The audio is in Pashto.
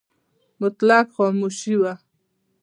مطلق خاموشي وه .